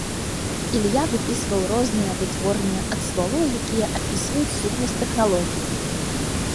Ілья выпісваў розныя вытворныя ад словаў, якія апісваюць сутнасць тэхналогіі.